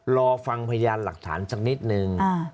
รอฟังพยานหลักฐานสักนิดนึง